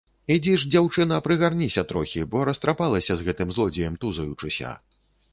Ідзі ж, дзяўчына, прыгарніся трохі, бо растрапалася, з гэтым злодзеем тузаючыся.